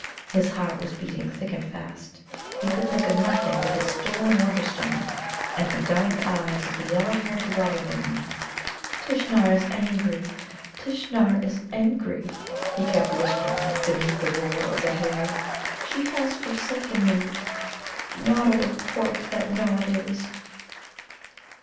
His heart was beating thick and fast. He could think of nothing but his stolen Wonderstone and the dark eyes of the yellow haired Water midden. "Tishnar is angry Tishnar is angry," he kept whispering, beneath the roar of the hail. "She has forsaken me, Noddle of Pork that Nod is."